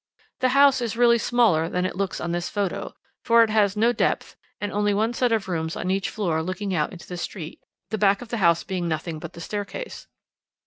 The house is really smaller than it looks on this photo, for it has no depth, and only one set of rooms on each floor looking out into the street, the back of the house being nothing but the staircase.